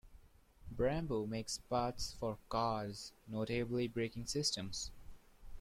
Brembo makes parts for cars, notably braking systems.